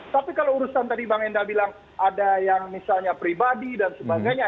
tapi kalau urusan tadi bang enda bilang ada yang misalnya pribadi dan sebagainya